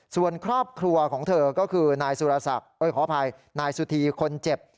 ส่วนครอบครัวของเธอก็คือนายสุธีคนเจ็บ